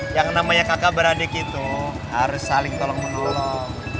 yang namanya kakak beradik itu harus saling tolong menolong